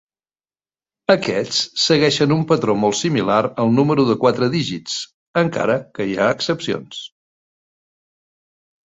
Aquests segueixen un patró molt similar al número de quatre dígits, encara que hi ha excepcions.